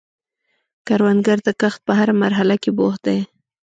کروندګر د کښت په هره مرحله کې بوخت دی